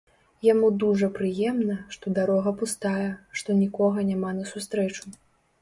Яму дужа прыемна, што дарога пустая, што нікога няма насустрэчу.